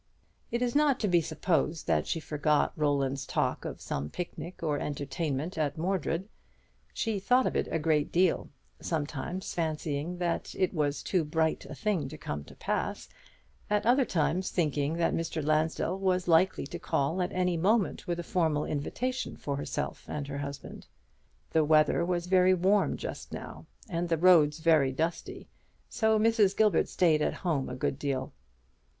It is not to be supposed that she forgot Roland's talk of some picnic or entertainment at Mordred. She thought of it a great deal, sometimes fancying that it was too bright a thing to come to pass: at other times thinking that Mr. Lansdell was likely to call at any moment with a formal invitation for herself and her husband. The weather was very warm just now, and the roads very dusty; so Mrs. Gilbert stayed at home a good deal.